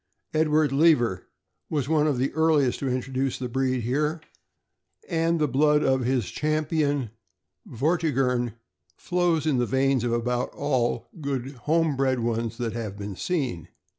Edward Lever was one of the earliest to introduce the breed here, and the blood of his Champion Vortigern flows in the veins of about all the good home bred ones that have been seen.